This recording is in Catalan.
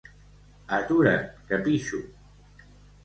Atura't, que pixo!